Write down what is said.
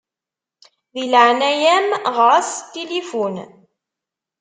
Di leɛnaya-m ɣeṛ-as s tilifun.